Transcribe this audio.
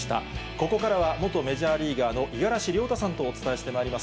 ここからは、元メジャーリーガーの五十嵐亮太さんとお伝えしてまいります。